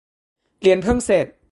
เรียนเพิ่งเสร็จ